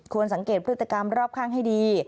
สังเกตพฤติกรรมรอบข้างให้ดี